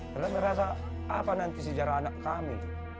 karena merasa apa nanti sejarah anak kami